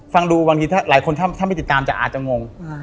ฟังดูบางทีถ้าหลายคนถ้าไม่ติดตามจะอาจจะงง